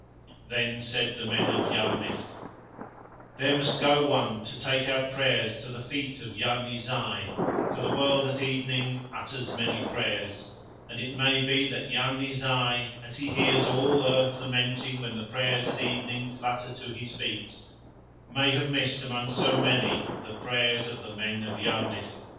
Then said the men of Yarnith: "There must go one to take our prayers to the feet of Yarni Zai; for the world at evening utters many prayers, and it may be that Yarni Zai, as he hears all earth lamenting when the prayers at evening flutter to his feet, may have missed among so many the prayers of the men of Yarnith.